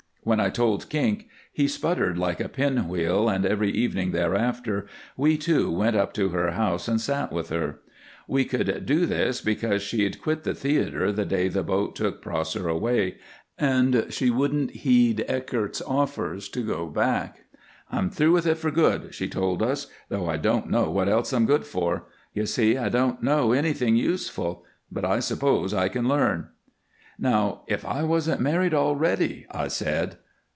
When I told Kink he sputtered like a pinwheel, and every evening thereafter we two went up to her house and sat with her. We could do this because she'd quit the theater the day the boat took Prosser away, and she wouldn't heed Eckert's offers to go back. "I'm through with it for good," she told us, "though I don't know what else I'm good for. You see, I don't know anything useful, but I suppose I can learn." "Now, if I wasn't married already " I said.